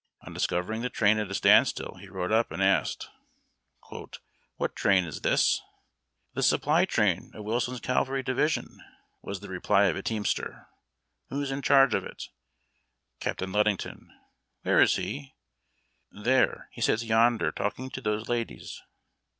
On discovering the train at a standstill, he rode up and asked :—" What train is this ?"" The supply train of Wilson's Cavalry Division," was the reply of a teaaister. "Who's in charge of it?" "Captain Ludington." " Where is he ?"" There he sits j^onder, talking to those ladies."